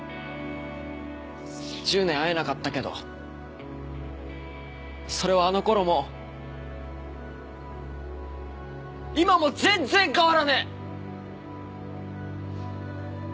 １０年会えなかったけどそれはあのころも今も全然変わらねえ。